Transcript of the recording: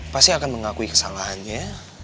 pasti akan mengakui kesalahannya